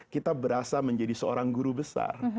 kita berasa menjadi seorang guru besar